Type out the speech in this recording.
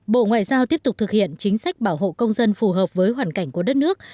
bộ ngoại giao tiếp tục thực hiện chính sách bảo hộ công dân phù hợp với hoàn cảnh của đất nước